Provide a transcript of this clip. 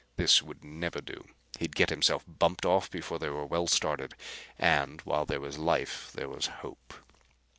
This would never do! He'd get himself bumped off before they were well started. And while there was life there was hope.